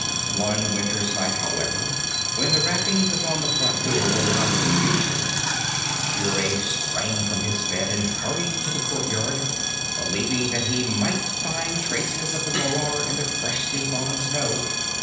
One winter's night, however, when the rappings upon the front door were louder than usual, the cure sprang from his bed and hurried to the courtyard, believing that he might find traces of the marauder in the freshly fallen snow.